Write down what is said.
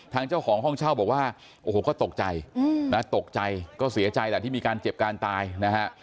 เจ้าของห้องเช่าบอกว่าโอ้โหก็ตกใจนะตกใจก็เสียใจแหละที่มีการเจ็บการตายนะฮะ